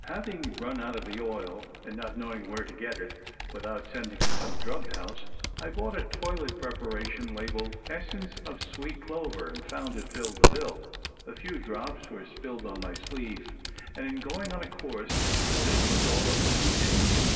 Having run out of the oil and not knowing where to get it without sending to some drug house, I bought a toilet preparation labled "essence of sweet clover," and found it filled the bill. A few drops were spilled on my sleeve and in going on a course this was all that was needed.